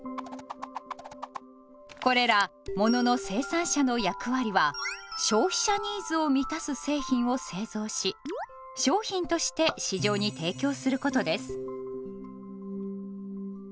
これらものの生産者の役割は消費者ニーズを満たす製品を製造し商品として市場に提供することです。